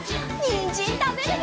にんじんたべるよ！